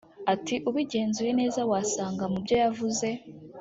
ariko ubigenzuye neza wasanga mubyo yavuze